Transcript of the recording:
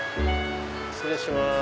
失礼します。